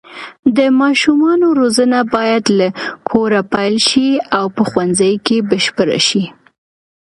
د ماشومانو روزنه باید له کوره پیل شي او په ښوونځي کې بشپړه شي.